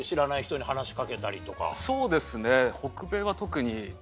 そうですね。